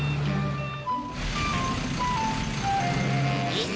えっ？